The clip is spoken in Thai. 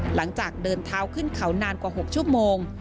หลังจากเดินเท้าขึ้นเขานานกว่า๖ชั่วโมง